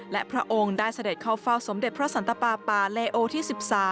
และพระองค์ได้เสด็จเข้าเฝ้าสมเด็จพระสันตปาปาเลโอที่๑๓